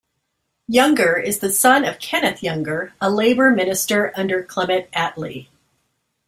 Younger is the son of Kenneth Younger, a Labour Minister under Clement Attlee.